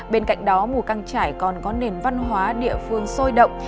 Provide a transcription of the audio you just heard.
bên cạnh đó mù căng trải còn có nền văn hóa địa phương sôi động